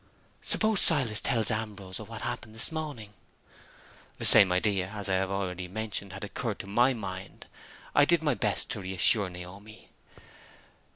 "Suppose Silas tells Ambrose of what happened this morning?" The same idea, as I have already mentioned, had occurred to my mind. I did my best to reassure Naomi.